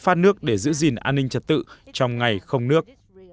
phát nước để giữ gìn an ninh trật tự trong ngày không nước